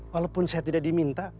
walaupun saya tidak diminta